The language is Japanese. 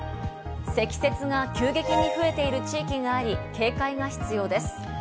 積雪が急激に増えている地域があり、警戒が必要です。